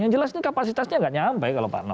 yang jelasnya kapasitasnya nggak nyampe kalau pak nuh